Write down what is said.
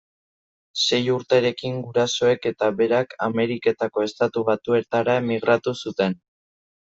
Sei urterekin gurasoek eta berak Ameriketako Estatu Batuetara emigratu zuten.